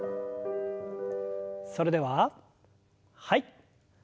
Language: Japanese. それでははい。